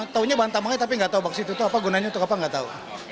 tahunya bahan tambangnya tapi nggak tahu baksit itu apa gunanya untuk apa nggak tahu